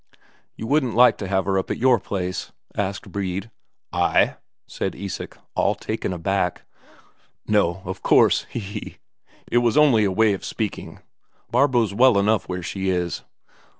"You wouldn't like to have her up at your place?" asked Brede. "I?" said Isak, all taken aback. "No, of course, he he! It was only a way of speaking. Barbro's well enough where she is.